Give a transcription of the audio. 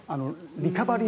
リカバリー。